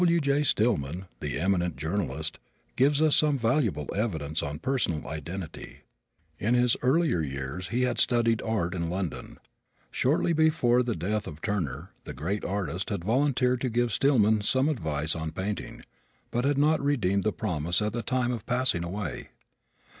W. J. Stillman, the eminent journalist, gives us some valuable evidence on personal identity. In his earlier years he had studied art in London. Shortly before the death of Turner, the great artist had volunteered to give Stillman some advice on painting, but had not redeemed the promise at the time of passing away.